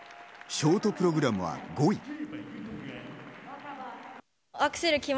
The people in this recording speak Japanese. ショートプログラムは５位。